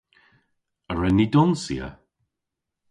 A wren ni donsya?